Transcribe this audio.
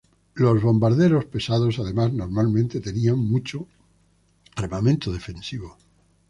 Los bombarderos pesados además normalmente tenían mucho armamento defensivo.